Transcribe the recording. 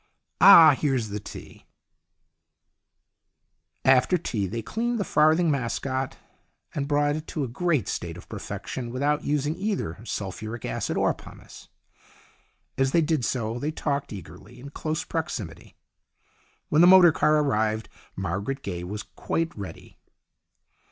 Ah, here's the tea !" After tea they cleaned the farthing mascot, and brought it to a great state of perfection, without using either sulphuric acid or pumice. As they did so they talked eagerly, in close proximity. When the motor car arrived Margaret Gaye was quite ready.